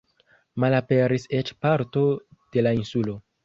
Malaperis eĉ parto de la insulo.